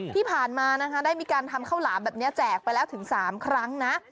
ที่ผ่านมานะคะได้มีการทำข้าวหลามแบบนี้แจกไปแล้วถึง๓ครั้งนะ